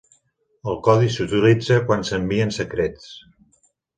El codi s'utilitza quan s'envien secrets.